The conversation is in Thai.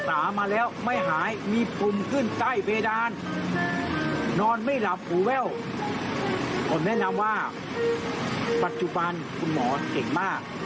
ว่าไม่ใช่ศัยยศาสตร์มันคือวิทยาศาสตร์